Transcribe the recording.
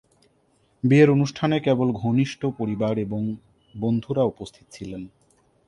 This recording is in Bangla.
বিয়ের অনুষ্ঠানে কেবল ঘনিষ্ঠ পরিবার এবং বন্ধুরা উপস্থিত ছিলেন।